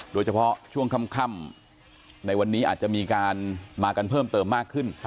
โดยเฉพาะช่วงค่ำในวันนี้อาจจะมีการมากันเพิ่มเติมมากขึ้น